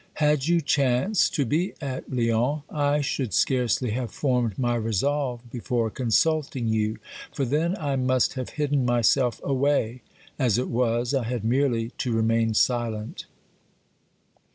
Had you chanced to be at Lyons, I should scarcely have formed my resolve before consulting you, for then I must have hidden myself away; as it was, I had merely to remain silent.